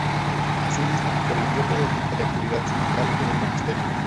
Asimismo, prohibió todo tipo de actividad sindical en el magisterio.